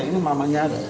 ini mamanya ada